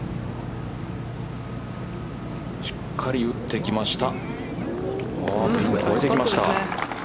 しっかり打ってきました。